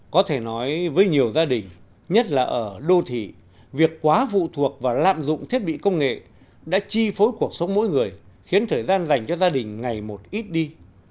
có thể nói với nhiều gia đình nhất là ở đô thị việc quá phụ thuộc và lạm dụng thiết bị công nghệ đã chi phối cuộc sống mỗi người khiến thời gian dành cho gia đình ngày một ít đi